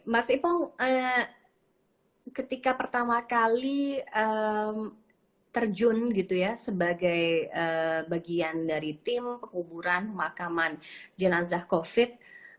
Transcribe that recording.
mas ipong ketika pertama kali terjun gitu ya sebagai bagian dari tim penguburan makaman jenazah covid